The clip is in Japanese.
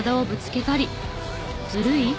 ずるい？